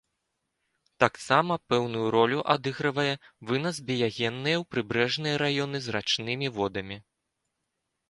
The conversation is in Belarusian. Таксама, пэўную ролю адыгрывае вынас біягенныя ў прыбярэжныя раёны з рачнымі водамі.